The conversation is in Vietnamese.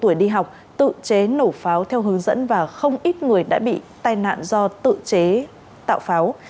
ba tuổi đi học tự chế nổ pháo theo hướng dẫn và không ít người đã bị tai nạn do tự chế tạo pháo